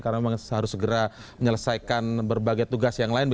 karena memang seharusnya segera menyelesaikan berbagai tugas yang lain